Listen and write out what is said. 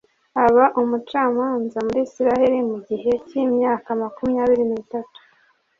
aba umucamanza muri israheli mu gihe cy'imyaka makumyabiri n'itatu